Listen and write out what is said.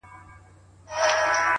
زه به د خال او خط خبري كوم!